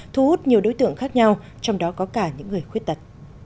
thu hút nhiều đối tượng khác nhau trong đó có cả những người khuyết tật